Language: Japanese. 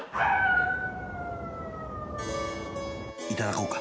いただこうか。